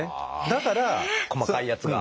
だから細かいやつが。